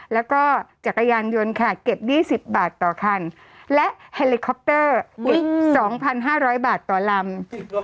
แล้วก็จักรยานยนต์ค่ะเก็บ๒๐บาทต่อคันและเฮลิคอปเตอร์อีก๒๕๐๐บาทต่อลำ